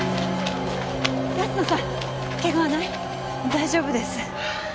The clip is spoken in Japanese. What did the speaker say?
大丈夫です。